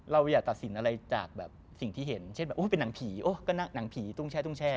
เห็นอะไรจากแบบสิ่งที่เห็นเช่นแบบโอ้ยเป็นหนังผีโอ้ยก็หนังผีตุ้งแช่ตุ้งแช่